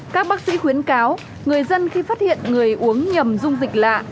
các bác sĩ khuyến cáo người dân khi phát hiện người uống nhầm dung dịch lạ